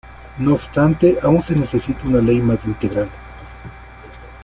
No obstante, aún se necesita una ley más integral.